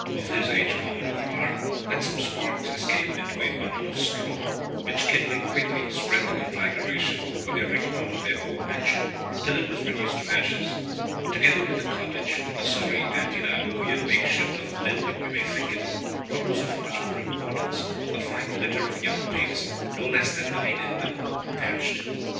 ] of his age commonly are, let some sparks escape into a bundle of straw, which kindling quickly, spread the conflagration over every part of their poor mansion, till it was reduced to ashes. Together with the cottage (a sorry antediluvian makeshift of a building, you may think it), what was of much more importance, a fine litter of young pigs, no less than nine in number, perished.